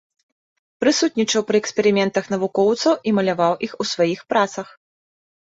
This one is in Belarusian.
Прысутнічаў пры эксперыментах навукоўцаў і маляваў іх у сваіх працах.